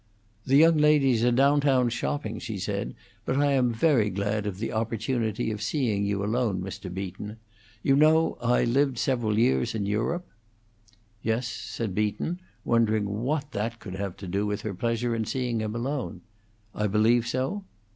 "The young ladies are down town shopping," she said, "but I am very glad of the opportunity of seeing you alone, Mr. Beaton. You know I lived several years in Europe." "Yes," said Beaton, wondering what that could have to do with her pleasure in seeing him alone. "I believe so?"